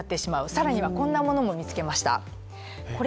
さらにはこんなものも見つけました。